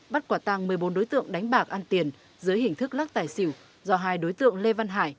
bắt quả tăng một mươi bốn đối tượng đánh bạc ăn tiền dưới hình thức lắc tài xỉu do hai đối tượng lê văn hải